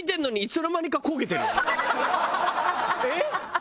「えっ？